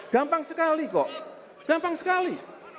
gampang sekali kok gampang sekali